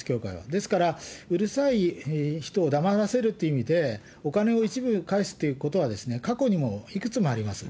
ですから、うるさい人を黙らせるという意味で、お金を一部返すということは、過去にもいくつもあります。